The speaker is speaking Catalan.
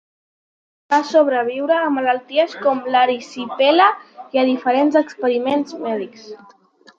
Va sobreviure a malalties com l'erisipela i a diferents experiments mèdics.